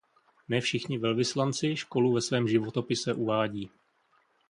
Ne všichni velvyslanci školu ve svém životopise uvádí.